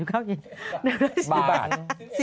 ๑๑บาท